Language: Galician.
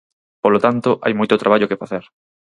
Polo tanto, hai moito traballo que facer.